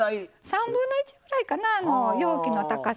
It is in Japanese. ３分の１ぐらいかな容器の高さのね。